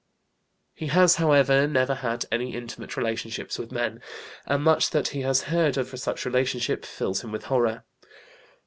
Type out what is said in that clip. He has, however, never had any intimate relationships with men, and much that he has heard of such relationships fills him with horror.